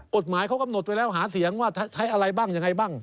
กฎหมายเขากำหนดไว้แล้วหาเสียงว่าใช้อะไรบ้างยังไงบ้าง